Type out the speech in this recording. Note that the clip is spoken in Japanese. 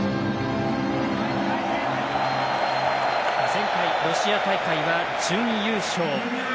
前回ロシア大会は準優勝。